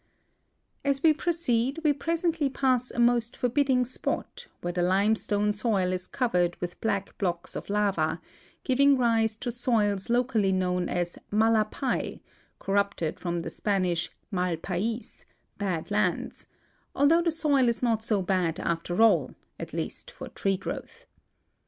As we proceed we presently pass a most forbidding spot, where the limestone soil is covered with black blocks of lava, giving rise to soils locally known as malapai, corrupted from the Span ish mal pais, bad lands, although the soil is not so bad after all, at least for tree growth.